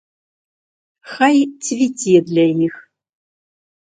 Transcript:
Хай цвіце для іх.